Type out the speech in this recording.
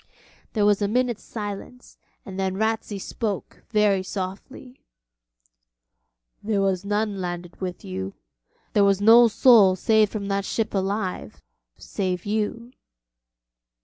There was a minute's silence, and then Ratsey spoke very softly: 'There was none landed with you; there was no soul saved from that ship alive save you.'